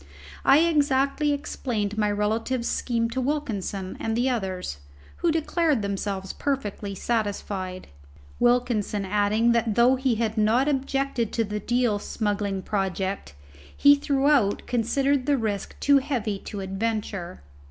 I exactly explained my relative's scheme to Wilkinson and the others, who declared themselves perfectly satisfied, Wilkinson adding that though he had not objected to the Deal smuggling project he throughout considered the risk too heavy to adventure.